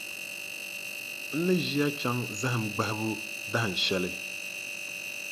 N ni ʒi a chaŋ zahim gbahibu dahinshɛli.